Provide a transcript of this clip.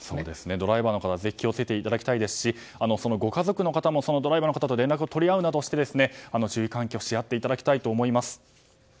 ドライバーの方気を付けていただきたいですしご家族の方もドライバーの方と連絡を取り合うなどして注意喚起を行ってほしいと思います。